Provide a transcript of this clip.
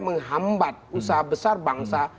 menghambat usaha besar bangsa